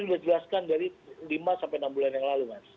sudah jelaskan dari lima sampai enam bulan yang lalu mas